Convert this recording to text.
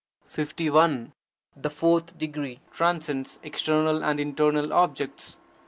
51. The fourth degree transcends external and internal objects.